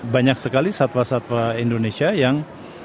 banyak sekali satwa satwa indonesia yang